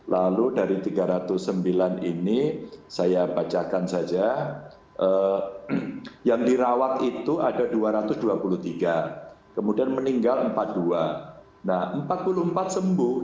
lalu dari tiga ratus sembilan ini saya bacakan saja yang dirawat itu ada dua ratus dua puluh tiga kemudian meninggal empat puluh dua nah empat puluh empat sembuh